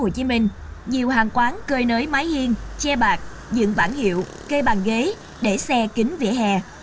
hồ chí minh nhiều hàng quán cơi nới mái hiên che bạc dựng bản hiệu cây bàn ghế để xe kính vỉa hè